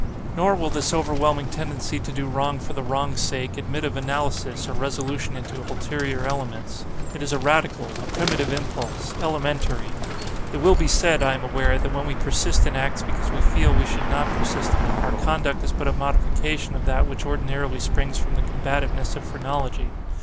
Nor will this overwhelming tendency to do wrong for the wrong's sake, admit of analysis, or resolution into ulterior elements. It is a radical, a primitive impulse—elementary. It will be said, I am aware, that when we persist in acts because we feel we should not persist in them, our conduct is but a modification of that which ordinarily springs from the combativeness of phrenology.